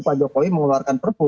pak jokowi mengeluarkan perbu